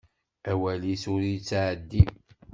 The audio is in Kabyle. Awal-is ur yettεeddi.